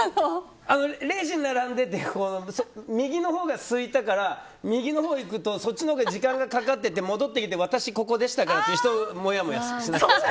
レジに並んでて右のほうが空いたから右のほう行くとそっちのほうが時間がかかってて戻ってきて、私ここでしたって言う人も、もやもやします。